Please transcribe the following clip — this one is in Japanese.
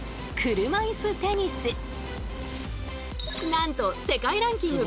なんと世界ランキング